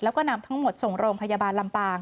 แล้วก็นำทั้งหมดส่งโรงพยาบาลลำปาง